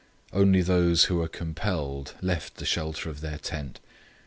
Only those who were compelled left the shelter of their tent.